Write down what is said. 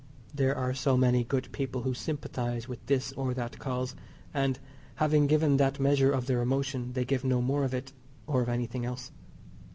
There are so many good people who "sympathise" with this or that cause, and, having given that measure of their emotion, they give no more of it or of anything else.